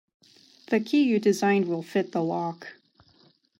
The key you designed will fit the lock.